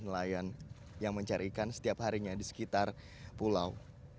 nelayan yang mencari ikan setiap harinya di sekitar pulau